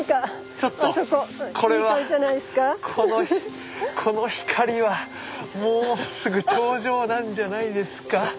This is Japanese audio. ちょっとこれはこの光はもうすぐ頂上なんじゃないですか？